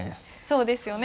そうですよね